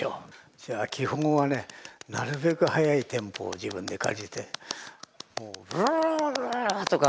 じゃあ基本はねなるべく速いテンポを自分で感じてもうブルルルルとか。